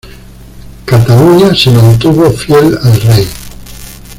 Cataluña se mantuvo fiel al rey.